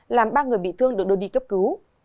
làm ba người bị thương được đưa đi cấp cứu